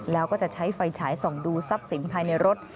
แล้วก็จะใช้ไฟฉายส่องดูทรัพย์สินภายในรถ